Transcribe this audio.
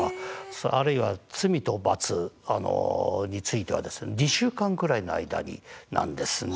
あるいは「罪と罰」については２週間ぐらいの間なんですね。